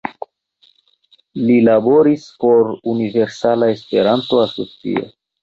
Li laboris por Universala Esperanto Asocio.